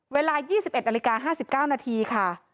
เวลา๒๑นาฬิกา๕๙นาทีค่ะ